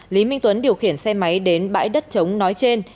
lý minh tuấn điều khiển xe máy đến bãi đất trống nói trên